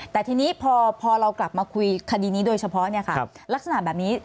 แต่ทีนี้พอเรากลับมาคุยคดีนี้โดยเฉพาะลักษณะแบบนี้